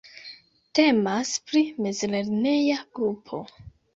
Temas pri mezlerneja grupo.